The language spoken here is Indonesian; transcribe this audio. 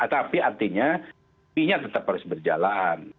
tapi artinya ini tetap harus berjalan